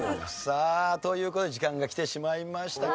さあという事で時間が来てしまいました。